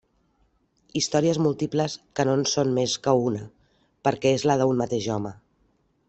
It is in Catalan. Històries múltiples que no en són més que una, perquè és la d'un mateix home.